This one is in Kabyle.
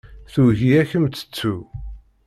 Tugi ad kem-tettu.